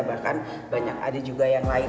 bahkan banyak ada juga yang lain